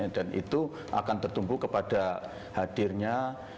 dan itu akan tertumpu kepada hadirnya